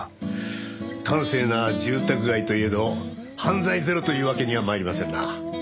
閑静な住宅街といえど犯罪ゼロというわけには参りませんな。